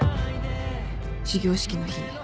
始業式の日